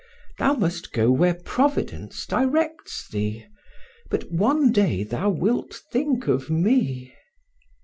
thou must go where Providence directs thee, but one day thou wilt think of me."